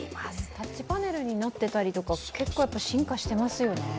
タッチパネルになってたりとか進化してますよね。